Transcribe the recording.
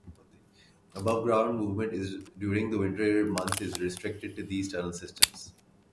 Above ground movement during the winter months is restricted to these tunnel systems.